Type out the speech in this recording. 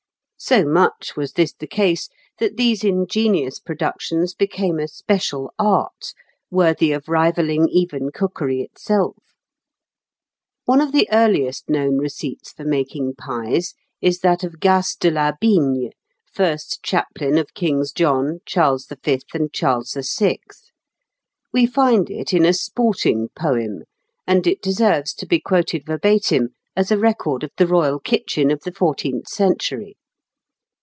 So much was this the case that these ingenious productions became a special art, worthy of rivalling even cookery itself (Figs. 117, 118, and 130). One of the earliest known receipts for making pies is that of Gaces de la Bigne, first chaplain of Kings John, Charles V., and Charles VI. We find it in a sporting poem, and it deserves to be quoted verbatim as a record of the royal kitchen of the fourteenth century.